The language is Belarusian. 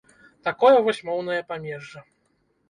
Такое вось моўнае памежжа!